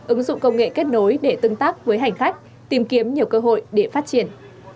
ứng dụng công nghệ kết nối để tương tác với hành khách tìm kiếm nhiều cơ hội để phát triển